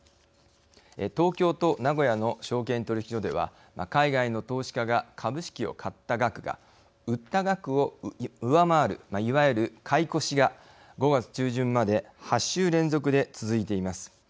東京と名古屋の証券取引所では海外の投資家が株式を買った額が売った額を上回るいわゆる買い越しが５月中旬まで８週連続で続いています。